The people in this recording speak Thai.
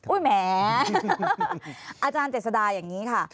แหมอาจารย์เจษดาอย่างนี้ค่ะ